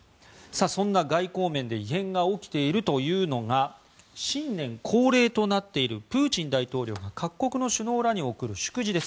そんな外交面で異変が起きているというのが新年恒例となっているプーチン大統領が各国の首脳らに送る祝辞です。